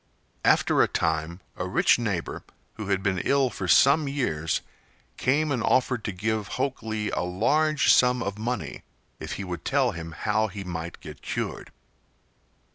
After a time a rich neighbor, who had been ill for some years, came and offered to give Hok Lee a large sum of money if he would tell him how he might get cured.